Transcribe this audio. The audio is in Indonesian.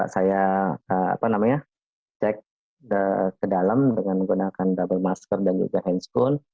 saya cek ke dalam dengan menggunakan double masker dan juga handphone